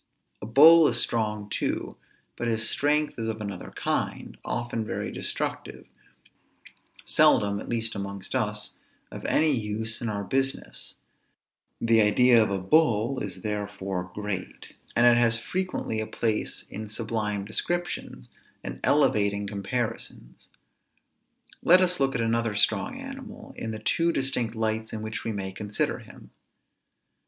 A bull is strong too; but his strength is of another kind; often very destructive, seldom (at least amongst us) of any use in our business; the idea of a bull is therefore great, and it has frequently a place in sublime descriptions, and elevating comparisons. Let us look at another strong animal, in the two distinct lights in which we may consider him.